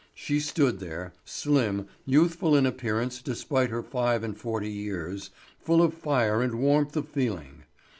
She stood there, slim, youthful in appearance despite her five and forty years, full of fire and warmth of feeling.